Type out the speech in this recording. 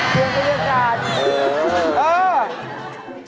เพื่อบรรยากาศ